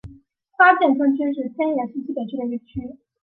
花见川区是千叶市西北部的一个区。